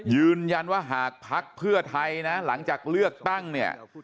ยืนยันว่าหากภักดิ์เพื่อไทยนะหลังจากเลือกตั้งเนี่ย